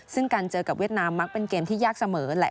ซึ่งการเจอกับเวียดนามมักเป็นเกมที่ยากเสมอแหละ